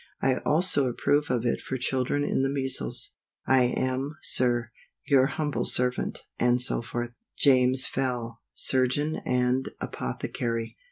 I also approve of it for children in the measles. I am, SIR, your humble servant, &c. JAMES FELL, Surgeon and Apothecary.